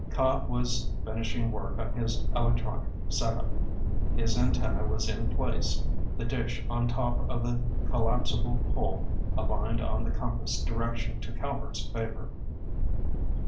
Cobb was finishing work on his electronic setup. His antenna was in place, the dish on top of the collapsible pole aligned on the compass direction to Calvert's Favor.